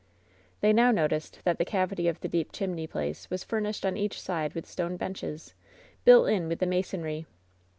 They now noticed that the cavity of the deep chimney place was furnished on each side with stone benches, built in with the masonry.